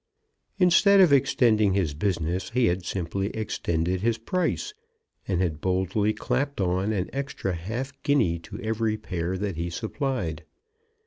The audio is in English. Instead of extending his business he had simply extended his price, and had boldly clapped on an extra half guinea to every pair that he supplied.